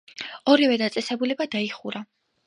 ორივე დაწესებულება დაიხურა.